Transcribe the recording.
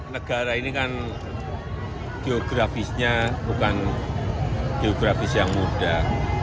negara ini kan geografisnya bukan geografis yang muda